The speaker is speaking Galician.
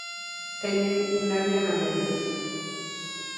Teñen un nervio no medio.